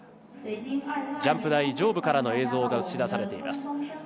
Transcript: ジャンプ台上部からの映像が映し出されています。